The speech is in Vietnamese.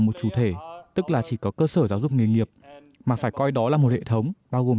một chủ thể tức là chỉ có cơ sở giáo dục nghề nghiệp mà phải coi đó là một hệ thống bao gồm